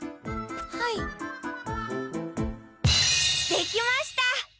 できました！